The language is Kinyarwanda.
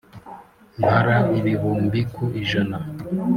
mpara ibihumbi ku ijana.